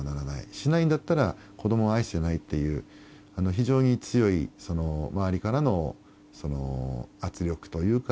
しないんだったら子どもを愛してないっていう、非常に強い周りからの圧力というか。